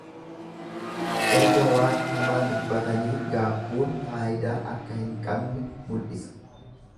Erga waan hamaa dubbatanii gaabbuun faayidaa akka hin qabne mul'isa.